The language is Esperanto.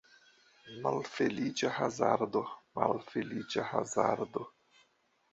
Malfeliĉa hazardo, malfeliĉa hazardo!